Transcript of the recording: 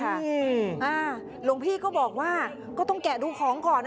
โหาน่าลุงพี่ก็บอกว่าก็ต้องแกะดูของก่อน